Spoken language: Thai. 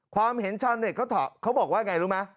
ความเห็นชาวเน็ตเขาบอกว่าไงรู้ไหม